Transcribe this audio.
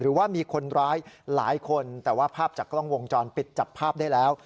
ว่ามีคนร้ายหลายคนแต่ว่าภาพจากกล้องวงจรปิดจับภาพได้แล้ว